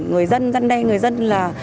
người dân dân đen người dân là